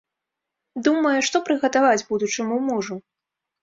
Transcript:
Думае, што прыгатаваць будучаму мужу.